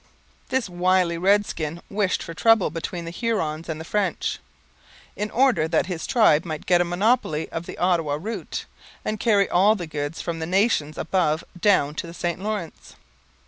This wily redskin wished for trouble between the Hurons and the French, in order that his tribe might get a monopoly of the Ottawa route, and carry all the goods from the nations above down to the St Lawrence.